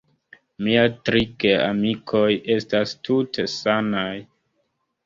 Miaj tri geamikoj estas tute sanaj.